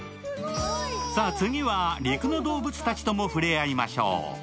さあ、次は陸の動物たちとも触れ合いましょう。